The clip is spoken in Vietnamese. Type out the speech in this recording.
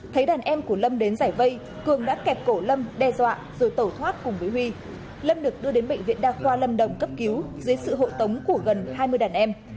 thấy đàn em của lâm đến giải vây cường đã kẹt cổ lâm đe dọa rồi tẩu thoát cùng với huy lâm được đưa đến bệnh viện đa khoa lâm đồng cấp cứu dưới sự hộ tống của gần hai mươi đàn em